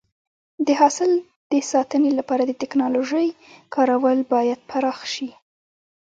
د حاصل د ساتنې لپاره د ټکنالوژۍ کارول باید پراخ شي.